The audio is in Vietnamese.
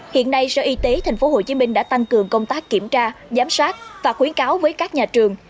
hiện nay sở y tế tp hcm đã tăng cường công tác kiểm tra giám sát và khuyến cáo với các nhà trường